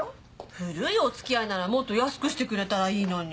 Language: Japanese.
古いおつきあいならもっと安くしてくれたらいいのに。